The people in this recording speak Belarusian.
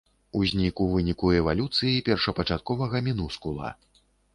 Узнік у выніку эвалюцыі першапачатковага мінускула.